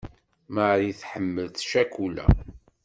Mari tḥemmel ccakula.